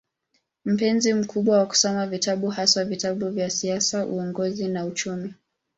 Mpenzi mkubwa wa kusoma vitabu, haswa vitabu vya siasa, uongozi na uchumi.